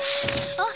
あっ。